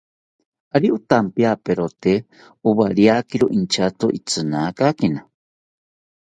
Ari otampiaperote owariakiro intyato itzinakakena